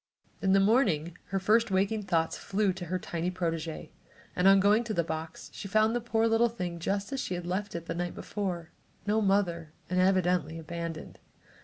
In the morning her first waking thoughts flew to her tiny protégée and on going to the box she found the poor little thing just as she had left it the night before no mother, and evidently abandoned.